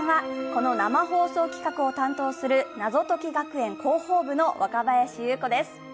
この生放送企画を担当する謎解き学園広報部の若林有子です。